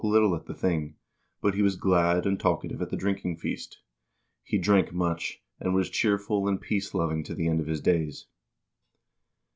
A PERIOD OP PEACE 295 at the thing, but he was glad and talkative at the drinking feast. He drank much, and was cheerful and peace loving to the end of his days."